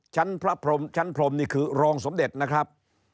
พระพรมชั้นพรมนี่คือรองสมเด็จนะครับ